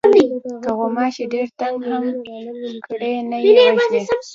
که غوماشی ډېر تنگ هم کړي نه یې وژنې.